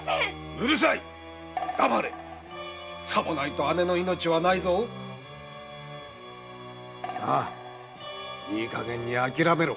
うるさい黙れさもないと姉の命はないぞいいかげんにあきらめろ。